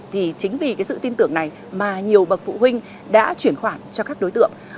thì chính vì sự tin tưởng này mà nhiều bậc phụ huynh đã chuyển khoản cho các đối tượng